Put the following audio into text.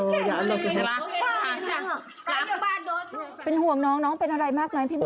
เป็นห่วงน้องน้องเป็นอะไรมากมั้ยพี่บอส